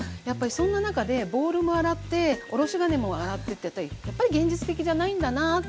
やっぱりそんな中でボウルも洗っておろし金も洗ってってやっぱり現実的じゃないんだな。